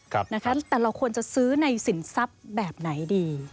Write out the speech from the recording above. ครับนะครับแต่เราควรจะซื้อในสินทรัพย์แบบไหนดี